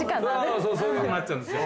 そうそういうふうになっちゃうんですよ。